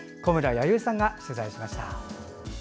弥生さんが取材しました。